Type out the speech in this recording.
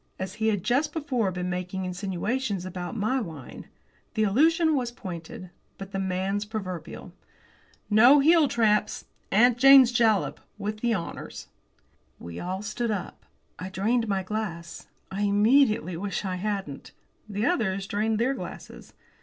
As he had just before been making insinuations about my wine, the allusion was pointed. But the man's proverbial. "No heeltraps 'Aunt Jane's Jalap' with the honours!" We all stood up. I drained my glass. I immediately wished I hadn't. The others drained their glasses.